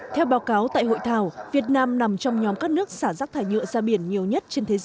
theo báo cáo tại hội thảo việt nam nằm trong nhóm các nước xả rác thải nhựa ra biển nhiều nhất trên thế giới